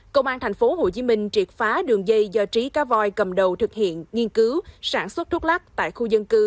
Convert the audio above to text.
công an tp hcm triệt phá đường dây do trí cá voi cầm đầu thực hiện nghiên cứu sản xuất thuốc lắc tại khu dân cư